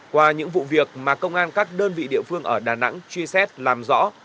qua những vụ việc mà công an các đơn vị địa phương ở đà nẵng truy xét làm rõ